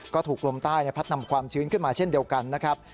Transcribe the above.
ก็ถูกลมใต้พัดนำความชื้นขึ้นมาเช่นเดียวกันนะครับ